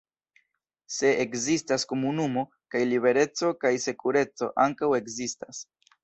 Se ekzistas komunumo, kaj libereco kaj sekureco ankaŭ ekzistas.